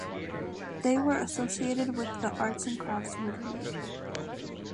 They were associated with the Arts and Crafts movement.